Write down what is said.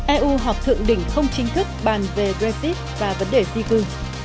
eu họp thượng đỉnh không chính thức bàn về brexit và vấn đề di cư